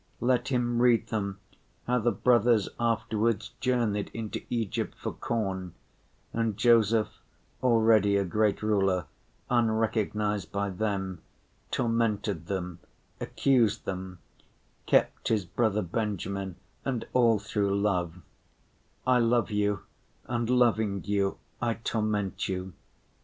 Let him read them how the brothers afterwards journeyed into Egypt for corn, and Joseph, already a great ruler, unrecognized by them, tormented them, accused them, kept his brother Benjamin, and all through love: "I love you, and loving you I torment you."